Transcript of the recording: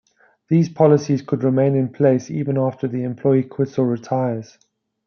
These policies could remain in place even after the employee quits or retires.